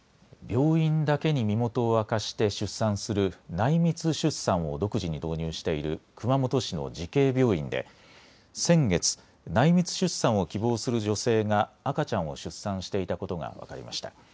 病院だけに身元を明かして出産する内密出産を独自に導入している熊本市の慈恵病院で先月、内密出産を希望する女性が赤ちゃんを出産していたことが分かりました。